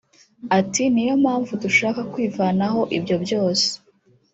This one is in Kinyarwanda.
Ati ”Ni yo mpamvu dushaka kwivanaho ibyo byose